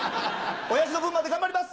親父の分まで頑張ります！